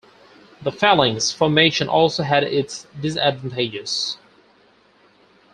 The phalanx formation also had its disadvantages.